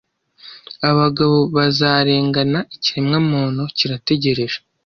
abagabo bazarengana ikiremwamuntu kirategereje